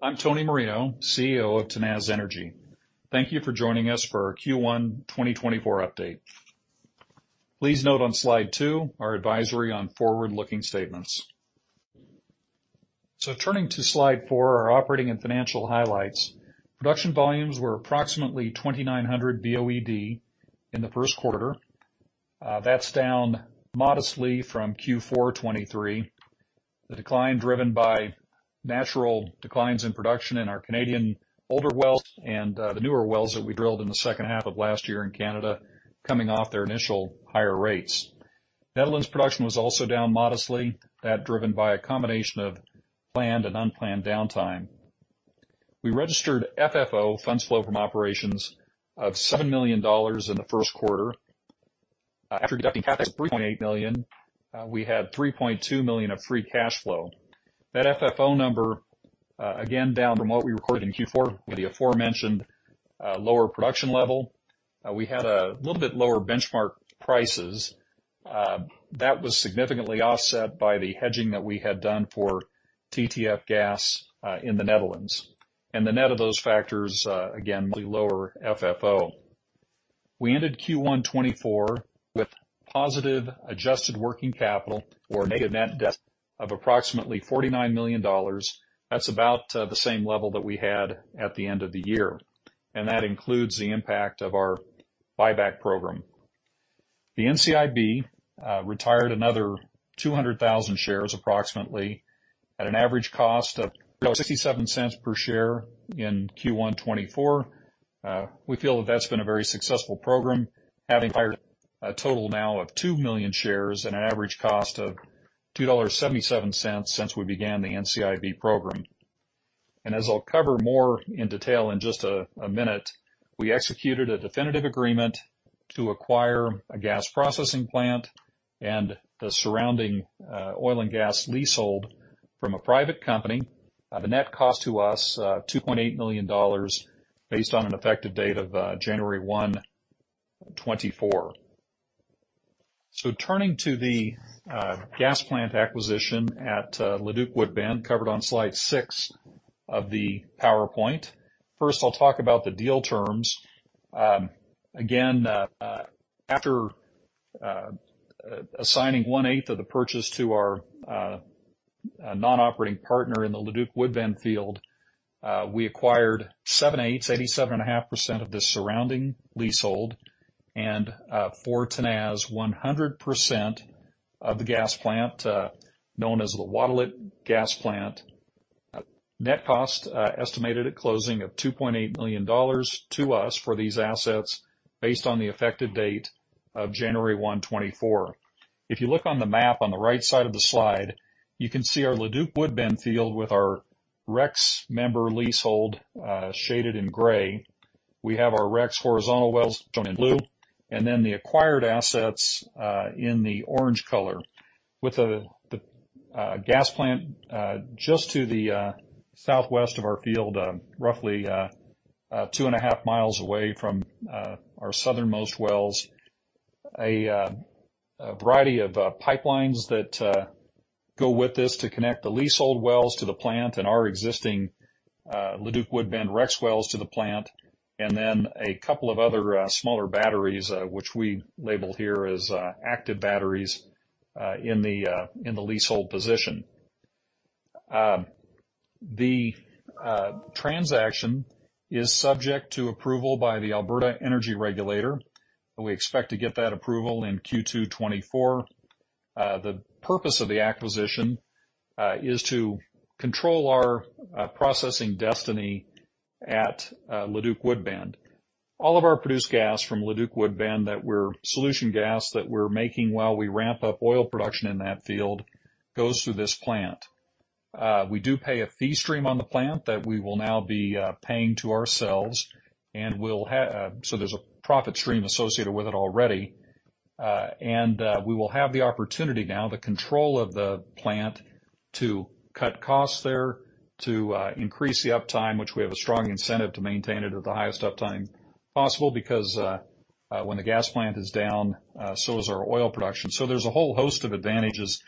Hello, I'm Tony Marino, CEO of Tenaz Energy. Thank you for joining us for our Q1 2024 update. Please note on slide 2 our advisory on forward-looking statements. So turning to slide 4, our operating and financial highlights, production volumes were approximately 2,900 BOED in the Q1. That's down modestly from Q4 2023, the decline driven by natural declines in production in our Canadian older wells and the newer wells that we drilled in the second half of last year in Canada, coming off their initial higher rates. Netherlands production was also down modestly. That's driven by a combination of planned and unplanned downtime. We registered FFO, funds flow from operations, of 7 million dollars in the Q1. After deducting CAPEX of 3.8 million, we had 3.2 million of free cash flow. That FFO number, again, down from what we recorded in Q4 2023 with the aforementioned lower production level. We had a little bit lower benchmark prices. That was significantly offset by the hedging that we had done for TTF gas in the Netherlands. And the net of those factors, again, lower FFO. We ended Q1 2024 with positive adjusted working capital, or negative net debt, of approximately 49 million dollars. That's about the same level that we had at the end of the year. And that includes the impact of our buyback program. The NCIB retired another 200,000 shares, approximately, at an average cost of 0.67 per share in Q1 2024. We feel that that's been a very successful program, having acquired a total now of 2,000,000 shares and an average cost of 2.77 dollars since we began the NCIB program. As I'll cover more in detail in just a minute, we executed a definitive agreement to acquire a gas processing plant and the surrounding oil and gas leasehold from a private company. The net cost to us, 2.8 million dollars, based on an effective date of January 1, 2024. Turning to the gas plant acquisition at Leduc-Woodbend, covered on slide 6 of the PowerPoint, first I'll talk about the deal terms. Again, after assigning 1/8 of the purchase to our non-operating partner in the Leduc-Woodbend field, we acquired 7/8, 87.5% of the surrounding leasehold, and for Tenaz, 100% of the gas plant, known as the Watelet Gas Plant. Net cost estimated at closing of 2.8 million dollars to us for these assets based on the effective date of January 1, 2024. If you look on the map on the right side of the slide, you can see our Leduc-Woodbend field with our Rex Member leasehold shaded in gray. We have our Rex horizontal wells shown in blue, and then the acquired assets in the orange color. With the gas plant just to the southwest of our field, roughly two and a half miles away from our southernmost wells, a variety of pipelines that go with this to connect the leasehold wells to the plant and our existing Leduc-Woodbend Rex wells to the plant, and then a couple of other smaller batteries, which we label here as active batteries, in the leasehold position. The transaction is subject to approval by the Alberta Energy Regulator. We expect to get that approval in Q2 2024. The purpose of the acquisition is to control our processing destiny at Leduc-Woodbend. All of our produced gas from Leduc-Woodbend, solution gas that we're making while we ramp up oil production in that field, goes through this plant. We do pay a fee stream on the plant that we will now be paying to ourselves, and so there's a profit stream associated with it already. We will have the opportunity now, the control of the plant, to cut costs there, to increase the uptime, which we have a strong incentive to maintain it at the highest uptime possible because when the gas plant is down, so is our oil production. There's a whole host of advantages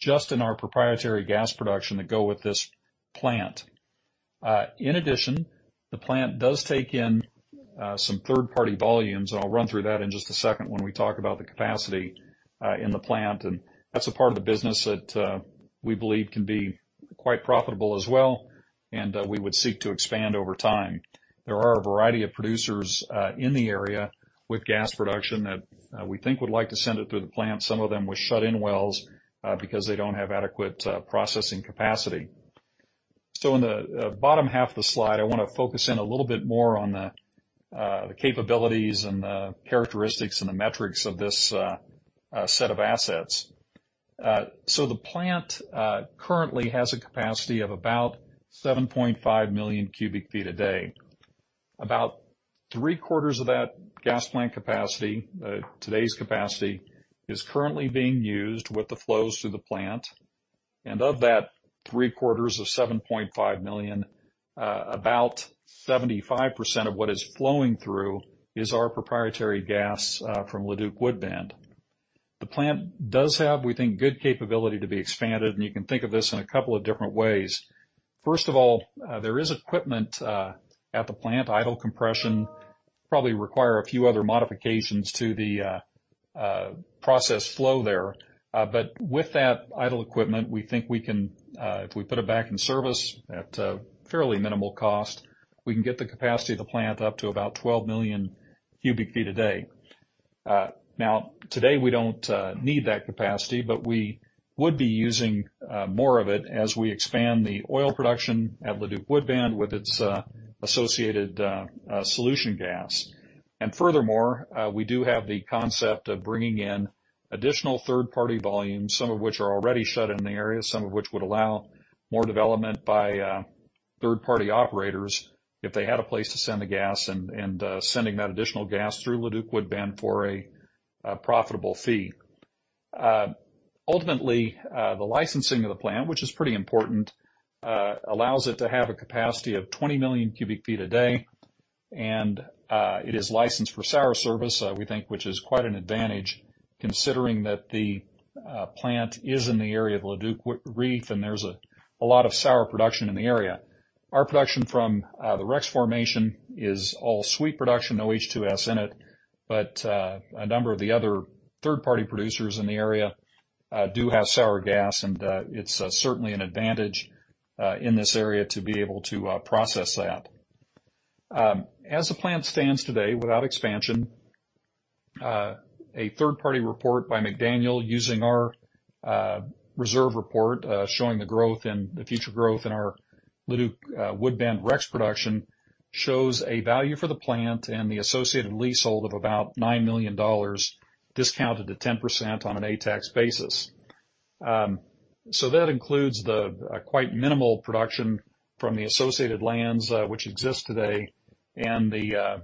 just in our proprietary gas production that go with this plant. In addition, the plant does take in some third-party volumes, and I'll run through that in just a second when we talk about the capacity in the plant. That's a part of the business that we believe can be quite profitable as well, and we would seek to expand over time. There are a variety of producers in the area with gas production that we think would like to send it through the plant. Some of them with shut-in wells because they don't have adequate processing capacity. In the bottom half of the slide, I want to focus in a little bit more on the capabilities and the characteristics and the metrics of this set of assets. The plant currently has a capacity of about 7.5 million cubic feet a day. About three-quarters of that gas plant capacity, today's capacity, is currently being used with the flows through the plant. And of that three-quarters of 7.5 million, about 75% of what is flowing through is our proprietary gas from Leduc-Woodbend. The plant does have, we think, good capability to be expanded, and you can think of this in a couple of different ways. First of all, there is equipment at the plant, idle compression, probably require a few other modifications to the process flow there. But with that idle equipment, we think we can, if we put it back in service at fairly minimal cost, we can get the capacity of the plant up to about 12 million cubic feet a day. Now, today we don't need that capacity, but we would be using more of it as we expand the oil production at Leduc-Woodbend with its associated solution gas. Furthermore, we do have the concept of bringing in additional third-party volumes, some of which are already shut in the area, some of which would allow more development by third-party operators if they had a place to send the gas and sending that additional gas through Leduc-Woodbend for a profitable fee. Ultimately, the licensing of the plant, which is pretty important, allows it to have a capacity of 20 million cubic feet a day. It is licensed for sour service, we think, which is quite an advantage considering that the plant is in the area of Leduc Reef and there's a lot of sour production in the area. Our production from the Rex formation is all sweet production, no H2S in it, but a number of the other third-party producers in the area do have sour gas, and it's certainly an advantage in this area to be able to process that. As the plant stands today without expansion, a third-party report by McDaniel using our reserve report showing the growth and the future growth in our Leduc-Woodbend Rex production shows a value for the plant and the associated leasehold of about 9 million dollars discounted to 10% on an A-tax basis. So that includes the quite minimal production from the associated lands which exist today and the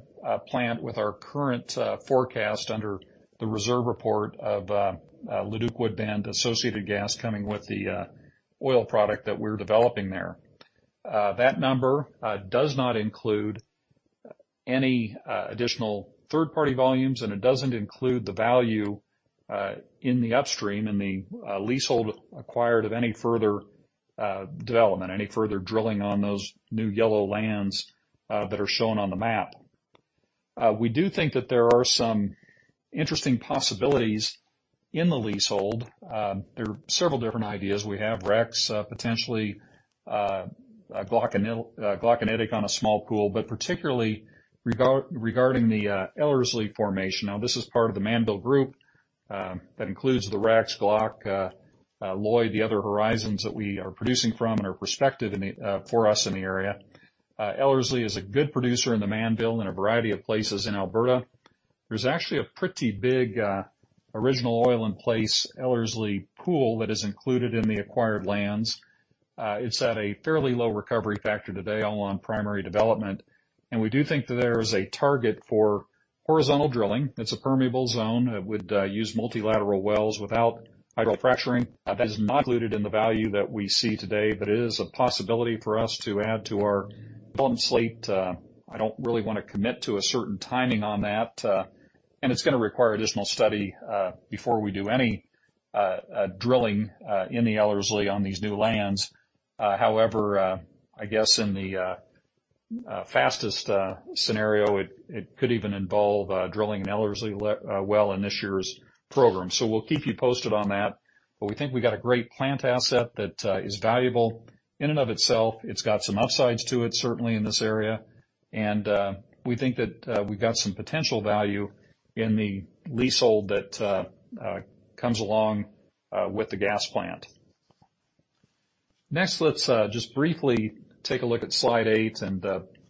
plant with our current forecast under the reserve report of Leduc-Woodbend associated gas coming with the oil product that we're developing there. That number does not include any additional third-party volumes, and it doesn't include the value in the upstream in the leasehold acquired of any further development, any further drilling on those new yellow lands that are shown on the map. We do think that there are some interesting possibilities in the leasehold. There are several different ideas. We have Rex potentially Glauconite and Glauconitic on a small pool, but particularly regarding the Ellerslie formation. Now, this is part of the Mannville Group that includes the Rex, Glauconite, Lloydminster, the other horizons that we are producing from and are prospective for us in the area. Ellerslie is a good producer in the Mannville and a variety of places in Alberta. There's actually a pretty big original oil-in-place Ellerslie pool that is included in the acquired lands. It's at a fairly low recovery factor today, all on primary development. We do think that there is a target for horizontal drilling. It's a permeable zone. It would use multilateral wells without hydrofracturing. That is not included in the value that we see today, but it is a possibility for us to add to our development slate. I don't really want to commit to a certain timing on that, and it's going to require additional study before we do any drilling in the Ellerslie on these new lands. However, I guess in the fastest scenario, it could even involve drilling an Ellerslie well in this year's program. So we'll keep you posted on that. But we think we got a great plant asset that is valuable in and of itself. It's got some upsides to it, certainly, in this area. And we think that we've got some potential value in the leasehold that comes along with the gas plant. Next, let's just briefly take a look at slide 8 and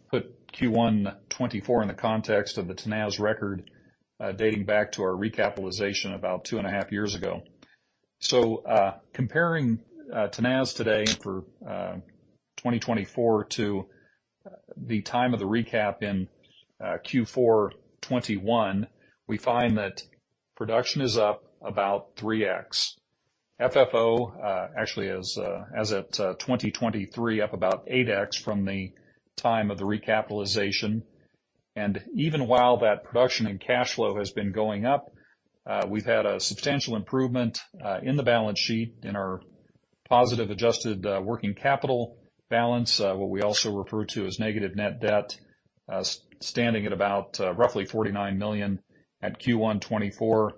put Q1 2024 in the context of the Tenaz record dating back to our recapitalization about two and a half years ago. So comparing Tenaz today for 2024 to the time of the recap in Q4 2021, we find that production is up about 3X. FFO actually is, as at 2023, up about 8X from the time of the recapitalization. And even while that production and cash flow has been going up, we've had a substantial improvement in the balance sheet, in our positive adjusted working capital balance, what we also refer to as negative net debt, standing at about roughly 49 million at Q1 2024,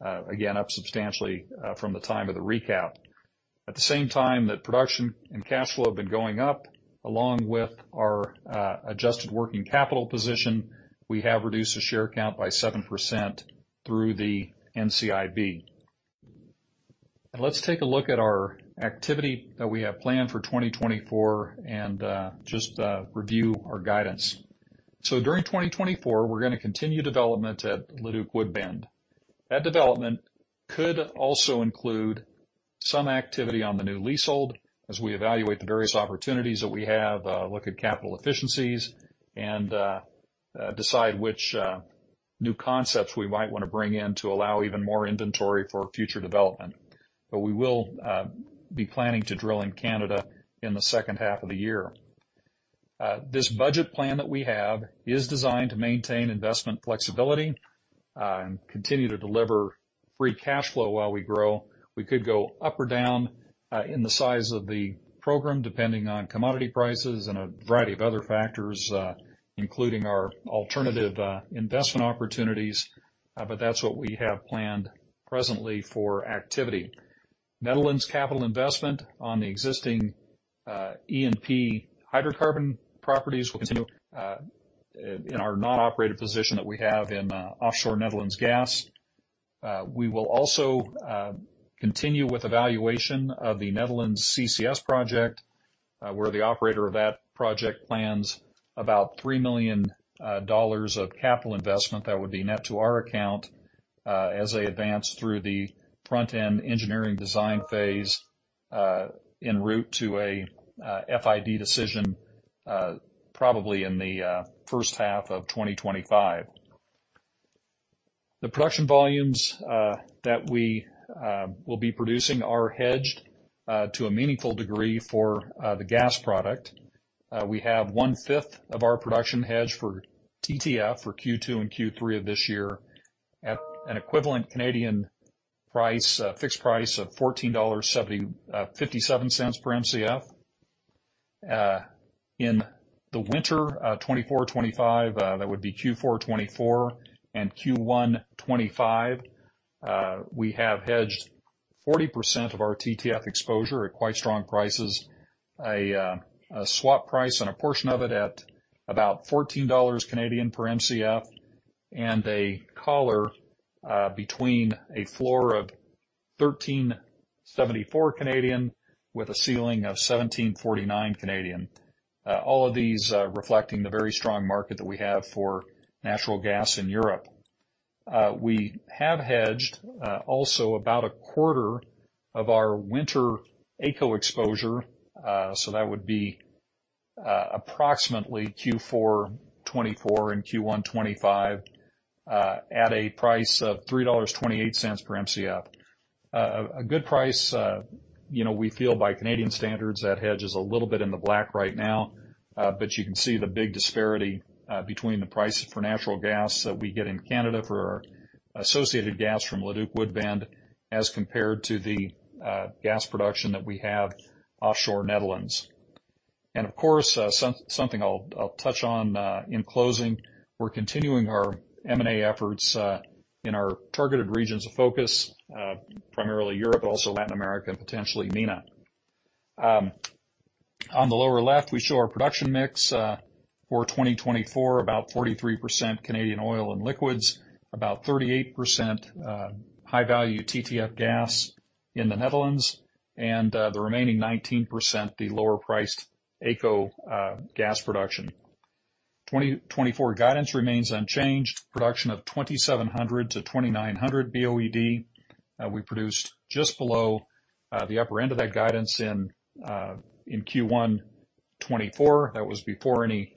again, up substantially from the time of the recap. At the same time that production and cash flow have been going up, along with our adjusted working capital position, we have reduced the share count by 7% through the NCIB. Let's take a look at our activity that we have planned for 2024 and just review our guidance. During 2024, we're going to continue development at Leduc-Woodbend. That development could also include some activity on the new leasehold as we evaluate the various opportunities that we have, look at capital efficiencies, and decide which new concepts we might want to bring in to allow even more inventory for future development. We will be planning to drill in Canada in the second half of the year. This budget plan that we have is designed to maintain investment flexibility and continue to deliver free cash flow while we grow. We could go up or down in the size of the program depending on commodity prices and a variety of other factors, including our alternative investment opportunities, but that's what we have planned presently for activity. Netherlands capital investment on the existing E&P hydrocarbon properties will continue in our non-operated position that we have in offshore Netherlands gas. We will also continue with evaluation of the Netherlands CCS project, where the operator of that project plans about $3 million of capital investment that would be net to our account as they advance through the front-end engineering design phase en route to a FID decision, probably in the first half of 2025. The production volumes that we will be producing are hedged to a meaningful degree for the gas product. We have one-fifth of our production hedged for TTF for Q2 and Q3 of this year, an equivalent Canadian fixed price of 14.57 dollars per MCF. In the winter, 2024-2025, that would be Q4 2024 and Q1 2025, we have hedged 40% of our TTF exposure at quite strong prices, a swap price on a portion of it at about 14 Canadian dollars Canadian per MCF, and a collar between a floor of 13.74 Canadian with a ceiling of 17.49 Canadian, all of these reflecting the very strong market that we have for natural gas in Europe. We have hedged also about a quarter of our winter AECO exposure, so that would be approximately Q4 2024 and Q1 2025 at a price of 3.28 dollars per MCF. A good price, we feel, by Canadian standards, that hedge is a little bit in the black right now, but you can see the big disparity between the prices for natural gas that we get in Canada for our associated gas from Leduc-Woodbend as compared to the gas production that we have offshore Netherlands. And of course, something I'll touch on in closing, we're continuing our M&A efforts in our targeted regions of focus, primarily Europe, but also Latin America and potentially MENA. On the lower left, we show our production mix for 2024, about 43% Canadian oil and liquids, about 38% high-value TTF gas in the Netherlands, and the remaining 19%, the lower-priced AECO gas production. 2024 guidance remains unchanged, production of 2,700-2,900 BOED. We produced just below the upper end of that guidance in Q1 2024. That was before any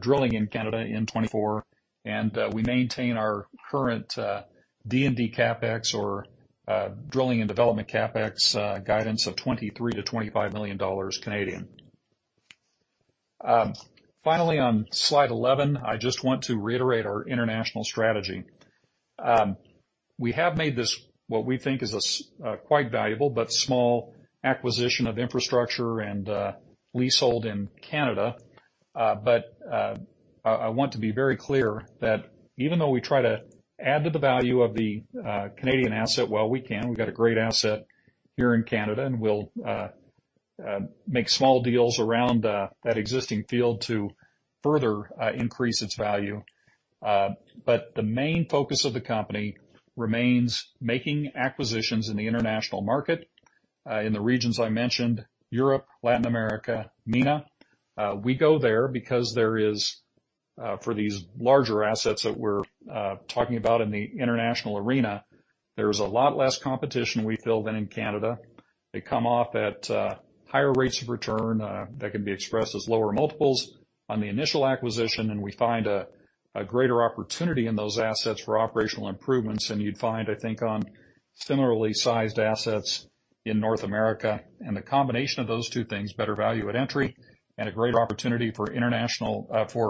drilling in Canada in 2024. We maintain our current D&D CapEx or drilling and development CapEx guidance of 23 million-25 million Canadian dollars. Finally, on slide 11, I just want to reiterate our international strategy. We have made this what we think is a quite valuable but small acquisition of infrastructure and leasehold in Canada. I want to be very clear that even though we try to add to the value of the Canadian asset, well, we can. We've got a great asset here in Canada, and we'll make small deals around that existing field to further increase its value. The main focus of the company remains making acquisitions in the international market in the regions I mentioned, Europe, Latin America, MENA. We go there because there is, for these larger assets that we're talking about in the international arena, there's a lot less competition, we feel, than in Canada. They come off at higher rates of return. That can be expressed as lower multiples on the initial acquisition, and we find a greater opportunity in those assets for operational improvements. And you'd find, I think, on similarly sized assets in North America and the combination of those two things, better value at entry and a greater opportunity for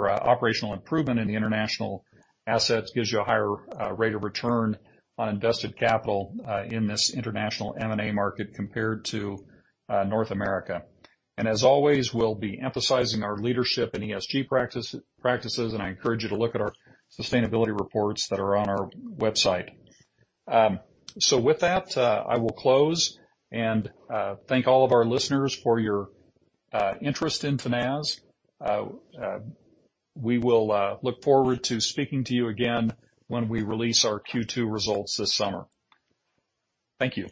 operational improvement in the international assets gives you a higher rate of return on invested capital in this international M&A market compared to North America. And as always, we'll be emphasizing our leadership and ESG practices, and I encourage you to look at our sustainability reports that are on our website. So with that, I will close and thank all of our listeners for your interest in Tenaz. We will look forward to speaking to you again when we release our Q2 results this summer. Thank you.